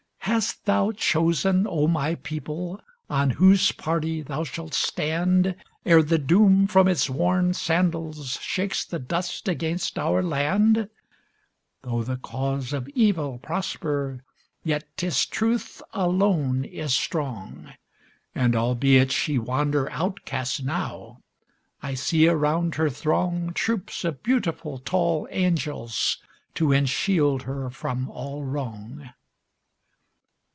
Hast thou chosen, O my people, on whose party thou shalt stand, Ere the Doom from its worn sandals shakes the dust against our land? Though the cause of Evil prosper, yet 'tis Truth alone is strong, And, albeit she wander outcast now, I see around her throng Troops of beautiful, tall angels, to enshield her from all wrong.